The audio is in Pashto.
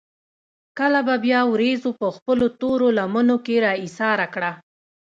کله به بيا وريځو پۀ خپلو تورو لمنو کښې را ايساره کړه ـ